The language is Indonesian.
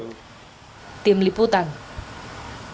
timur timur ini juga merendam ratusan rumah di pesisir wilayah probolinggo